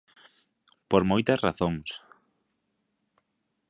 Por moitas razóns.